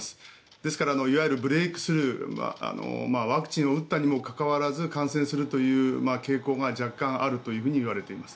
ですからいわゆるブレークスルーワクチンを打ったにもかかわらず感染するという傾向が若干あるといわれています。